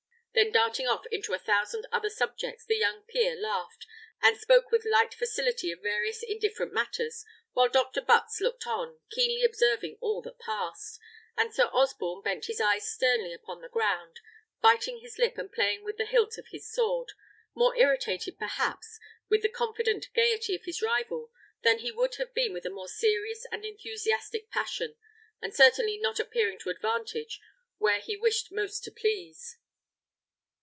Then darting off into a thousand other subjects, the young peer laughed, and spoke with light facility of various indifferent matters, while Dr. Butts looked on, keenly observing all that passed; and Sir Osborne bent his eyes sternly upon the ground, biting his lip and playing with the hilt of his sword, more irritated, perhaps, with the confident gaiety of his rival than he would have been with a more serious and enthusiastic passion, and certainly not appearing to advantage where he wished most to please.